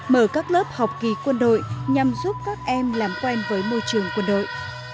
mở các lớp học kỳ quân đội nhằm giúp các em làm quen với môi trường quân đội